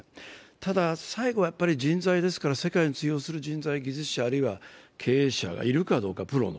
ただ最後はやはり人材ですから世界に通用する人材、技術者、あるいはプロの経営者がいるかどうか。